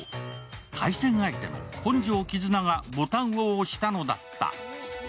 対戦相手の本庄絆がボタンを押したのだった。